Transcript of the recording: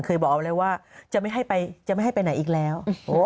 เคยบอกเอาไว้ว่าจะไม่ให้ไปจะไม่ให้ไปไหนอีกแล้ว